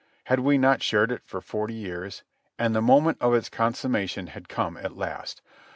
Had we not shared it for forty years? And the moment of its consummation had come at last.